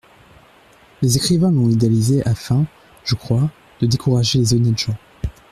Les écrivains l'ont idéalisé afin, je crois, de décourager les honnêtes gens.